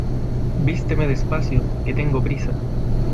Vísteme despacio, que tengo prisa.